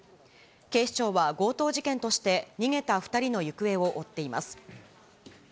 警視庁は強盗事件として逃げた２人の行方を追っています。